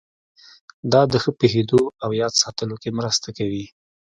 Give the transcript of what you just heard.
دا د ښه پوهېدو او یاد ساتلو کې مرسته کوي.